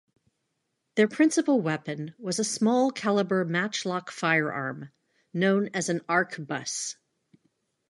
Their principal weapon was a small calibre matchlock firearm, known as an arquebus.